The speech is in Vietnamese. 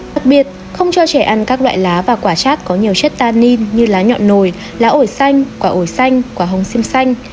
đặc biệt không cho trẻ ăn các loại lá và quả chát có nhiều chất tanin như lá nhỏ nồi lá ổi xanh quả ổi xanh quả hồng xiêm xanh